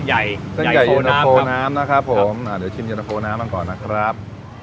อ่ะเส้นใยยุนโนโพลน้ำนะครับผมอ่าเดี่ยวชิมยุนโนโพลน้ำดังก่อนนะครับ